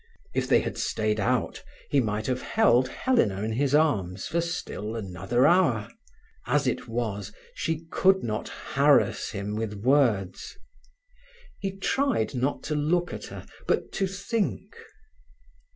If they had stayed out, he might have held Helena in his arms for still another hour. As it was, she could not harass him with words. He tried not to look at her, but to think.